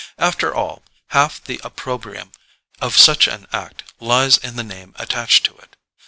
After all, half the opprobrium of such an act lies in the name attached to it.